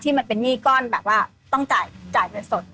มันเป็นหนี้ก้อนแบบว่าต้องจ่ายเงินสด